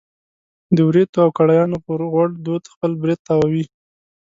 د وریتو او کړایانو پر غوړ دود خپل برېت تاووي.